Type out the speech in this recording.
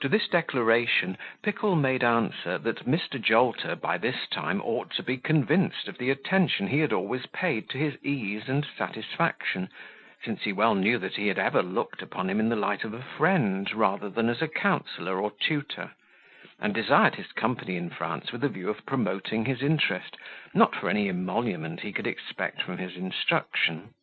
To this declaration Pickle made answer, that Mr. Jolter, by this time, ought to be convinced of the attention he had always paid to his ease and satisfaction; since he well knew that he had ever looked upon him in the light of a friend rather than as a counsellor or tutor; and desired his company in France with a view of promoting his interest, not for any emolument he could expect from his instruction.